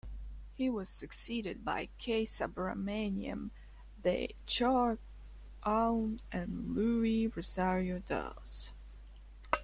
He was succeeded by K Subramaniam, Teh Chor Aun and Louis Rozario Doss.